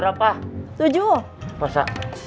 ya udah kita pulang dulu aja